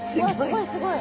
すごいすごい。